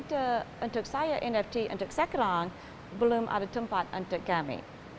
jadi untuk saya nft untuk sekarang belum ada tempat untuk kami